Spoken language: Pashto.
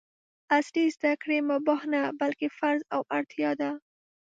عصري زده کړې مباح نه ، بلکې فرض او اړتیا ده!